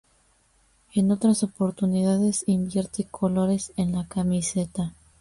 En otras oportunidades invierte colores en la camiseta.